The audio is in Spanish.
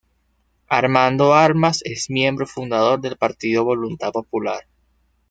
Armando Armas es miembro fundador del partido Voluntad Popular.